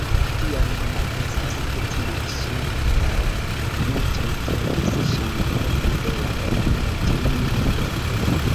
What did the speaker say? Kiam mi pensas, ke tiu stulta Dimitri trovis ŝin malpli bela, ol Fotini'n!